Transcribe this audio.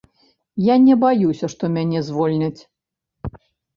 Я не баюся, што мяне звольняць.